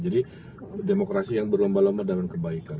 jadi demokrasi yang berlomba lomba dengan kebaikan